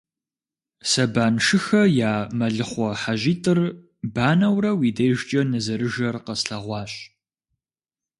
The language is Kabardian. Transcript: Сэбаншыхэ я мэлыхъуэ хьэжьитӀыр банэурэ уи дежкӀэ нызэрыжэр къэслъэгъуащ.